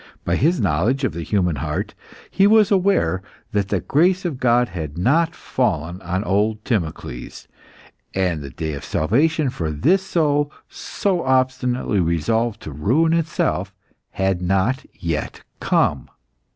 By his knowledge of the human heart, he was aware that the grace of God had not fallen on old Timocles, and the day of salvation for this soul so obstinately resolved to ruin itself had not yet come.